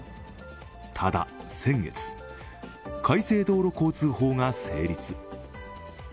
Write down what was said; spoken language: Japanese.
ただ、先月、改正道路交通法が成立。